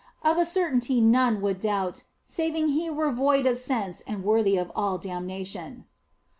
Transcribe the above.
Of a certainty none would doubt, saving he were void of sense and worthy of all damnation.